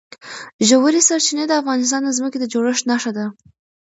ژورې سرچینې د افغانستان د ځمکې د جوړښت نښه ده.